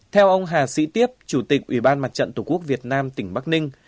theo ông hà sĩ tiếp chủ tịch ủy ban mặt trận tổ quốc việt nam tỉnh bắc ninh